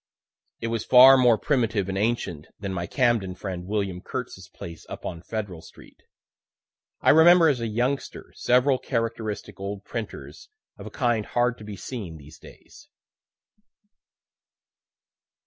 It was far more primitive and ancient than my Camden friend William Kurtz's place up on Federal street. I remember, as a youngster, several characteristic old printers of a kind hard to be seen these days.